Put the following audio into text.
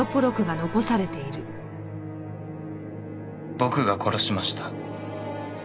僕が殺しました。